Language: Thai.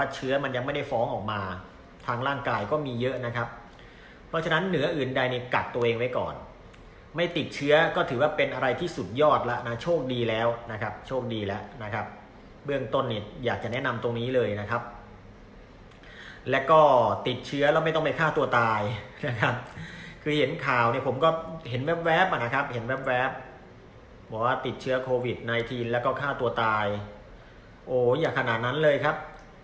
เชื้อมันยังไม่ได้ฟ้องออกมาทางร่างกายก็มีเยอะนะครับเพราะฉะนั้นเหนืออื่นได้เนี่ยกัดตัวเองไว้ก่อนไม่ติดเชื้อก็ถือว่าเป็นอะไรที่สุดยอดแล้วนะโชคดีแล้วนะครับโชคดีแล้วนะครับเบื้องต้นเนี่ยอยากจะแนะนำตรงนี้เลยนะครับแล้วก็ติดเชื้อแล้วไม่ต้องไปฆ่าตัวตายนะครับคือเห็นข่าวเนี่ยผมก็เห็นแวบ